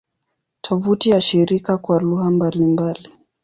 Tovuti ya shirika kwa lugha mbalimbali